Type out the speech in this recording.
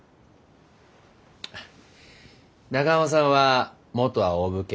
中濱さんは元はお武家。